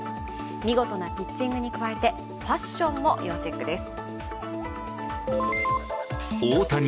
見事なピッチングに加えてファッションも要チェックです。